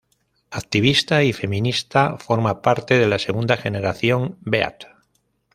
Activista y feminista, forma parte de la segunda Generación beat.